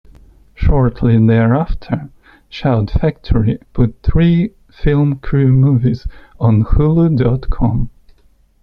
Shortly thereafter, Shout Factory put three Film Crew movies on Hulu dot com.